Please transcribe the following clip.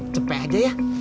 cepet aja ya